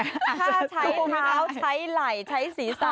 ถ้าใช้เท้าใช้ไหล่ใช้ศีรษะ